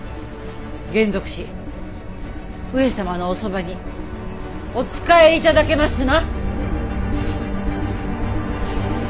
還俗し上様のおそばにお仕え頂けますな。